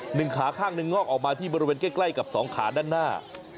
หนึ่งขาข้างหนึ่งงอกออกมาที่บริเวณใกล้กับสองขาด้านหน้า